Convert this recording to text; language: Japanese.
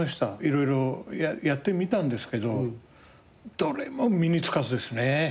色々やってみたんですけどどれも身に付かずですね。